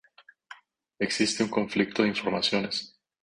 Existe un conflicto de informaciones.